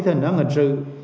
thành án hình sự